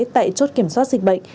tại chốt kiểm soát dịch bệnh